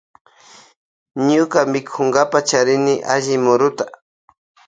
Ñuka mikunawkupi charin allichin muruta.